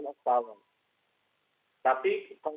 kalau presiden kita murni itu adalah kebenaran